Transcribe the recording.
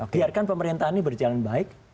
biarkan pemerintahan ini berjalan baik